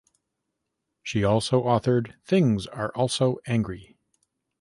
She also authored "Things are also angry".